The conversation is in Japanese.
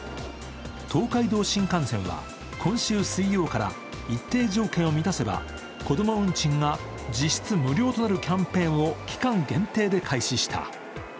東海道新幹線は、今週水曜から一定条件を満たせばこども運賃が実質無料となるキャンペーンを期間限定で開始した。